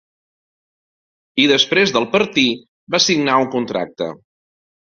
I després del partir va signar un contracte.